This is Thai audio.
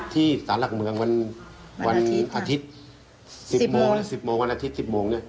ที่หลักเมืองวันอาทิตย์๑๐โมง